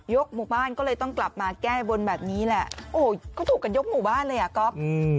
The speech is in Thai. หมู่บ้านก็เลยต้องกลับมาแก้บนแบบนี้แหละโอ้โหเขาถูกกันยกหมู่บ้านเลยอ่ะก๊อฟอืม